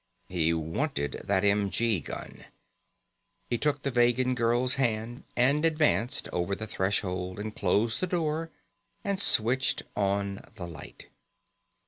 He wanted that m.g. gun. He took the Vegan girl's hand and advanced over the threshold and closed the door and switched on the light.